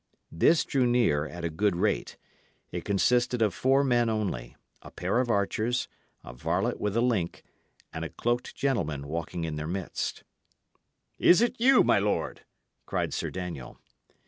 This drew near at a good rate. It consisted of four men only a pair of archers, a varlet with a link, and a cloaked gentleman walking in their midst. "Is it you, my lord?" cried Sir Daniel.